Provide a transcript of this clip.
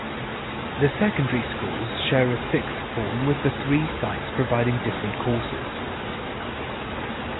The secondary schools share a sixth form with the three sites providing different courses.